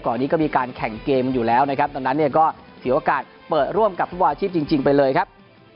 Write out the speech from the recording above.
ก่อนนี้ก็มีการแข่งเกมอยู่แล้วนะครับตอนนั้นก็เสียโอกาสเปิดร่วมกับภูมิอาชีพจริงไปเลยครับ